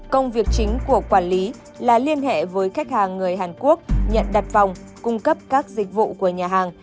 công việc chính của quản lý là liên hệ với khách hàng người hàn quốc nhận đặt vòng cung cấp các dịch vụ của nhà hàng